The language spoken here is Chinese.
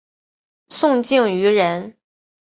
宋敬舆人。